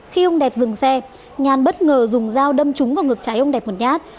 khi ông đẹp dừng xe nhàn bất ngờ dùng dao đâm trúng vào ngực trái ông đẹp một nhát